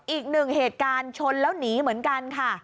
อีกหนึ่งเหตุการณ์ชนแล้วหนีเหมือนกันค่ะ